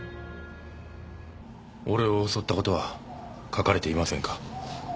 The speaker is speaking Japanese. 俺を襲った事は書かれていませんか？